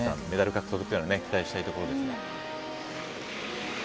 メダル獲得は期待したいところですね。